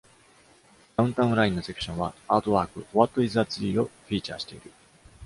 ダウンタウン・ラインのセクションは、アートワーク、「ホワット・イズ・ア・ツリー？」をフィーチャーしている。